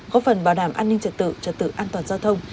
góp phần bảo đảm an ninh trật tự trật tự an toàn giao thông